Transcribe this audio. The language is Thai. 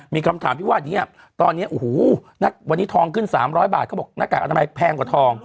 มีคำถามที่ว่านี้ตอนนี้โอ้โหวันนี้ทองขึ้น๓๐๐บาทเขาบอกหน้ากากอนามัยแพงกว่าทอง